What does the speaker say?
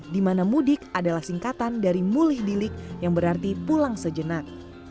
di mana mudik adalah singkatan dari mulih dilik yang berarti pulang sejenak